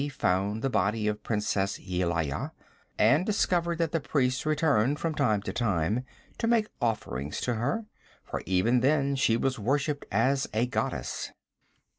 He found the body of Princess Yelaya, and discovered that the priests returned from time to time to make offerings to her, for even then she was worshipped as a goddess.